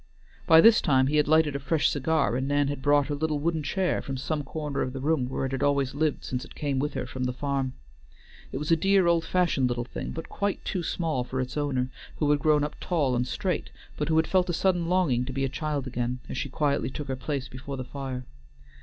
By this time he had lighted a fresh cigar, and Nan had brought her little wooden chair from some corner of the room where it had always lived since it came with her from the farm. It was a dear old fashioned little thing, but quite too small for its owner, who had grown up tall and straight, but who had felt a sudden longing to be a child again, as she quietly took her place before the fire.